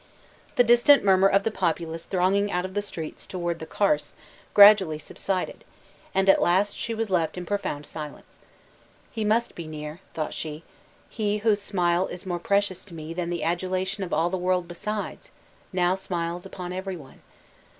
The distant murmur of the populace thronging out of the streets toward the Carse, gradually subsided; and at last she was left in profound silence. "He must be near," thought she, "he whose smile is more precious to me than the adulation of all the world besides, now smiles upon every one!